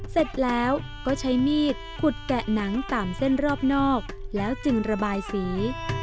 เสร็จแล้วก็ใช้มีดขุดแกะหนังตามเส้นรอบนอกแล้วจึงระบายสี